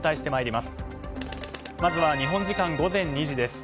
まずは日本時間午前２時です。